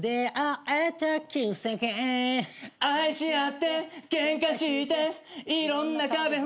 「愛し合ってケンカして色んな壁二人で」